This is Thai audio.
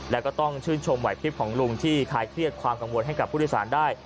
แล้วก็ต้องชื่นชมไหวคลิปของลุงที่คลายเครียดความกังวลให้กับผู้โดยสารได้